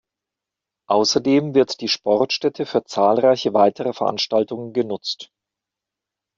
Außerdem wird die Sportstätte für zahlreiche weitere Veranstaltungen genutzt.